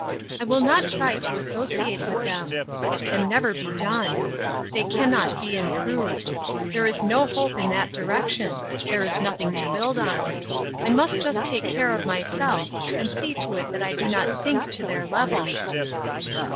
" I will not try to associate with them ; it can never be done ; they can not be improved ; there is no hope in that direction : there is nothing to build on. I must just take care of myself, and see to it that I do not sink to their level."